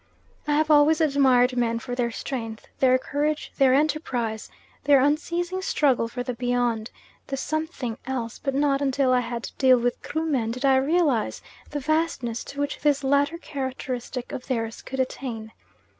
I have always admired men for their strength, their courage, their enterprise, their unceasing struggle for the beyond the something else, but not until I had to deal with Krumen did I realise the vastness to which this latter characteristic of theirs could attain.